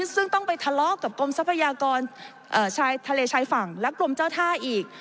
ซึ่งต้องไปทะเลาะกับกรมทรัพยากรชายทะเลชายฝั่งและกรมเจ้าท่าอีก